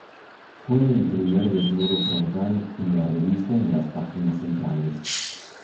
Fue el primer desnudo frontal en la revista en las páginas centrales.